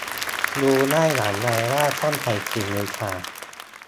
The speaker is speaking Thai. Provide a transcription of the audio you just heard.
รู้ได้อย่างไรว่าต้องใส่ขิงหรือข่า